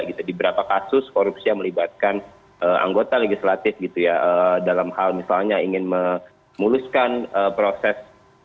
di beberapa kasus korupsi yang melibatkan anggota legislatif gitu ya dalam hal misalnya ingin memuluskan proses